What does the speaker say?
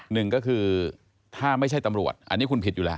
หนึ่งก็คือถ้าไม่ใช่ตำรวจอันนี้คุณผิดอยู่แล้ว